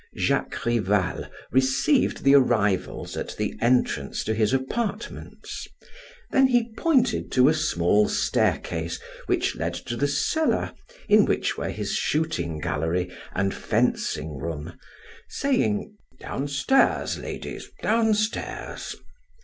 Jacques Rival received the arrivals at the entrance to his apartments, then he pointed to a small staircase which led to the cellar in which were his shooting gallery and fencing room, saying: "Downstairs, ladies, downstairs.